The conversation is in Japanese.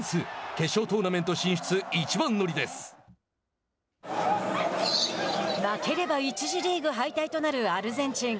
決勝トーナメント進出、一番乗り負ければ１次リーグ敗退となるアルゼンチン。